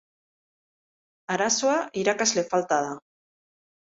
Arazoa, irakasle falta da.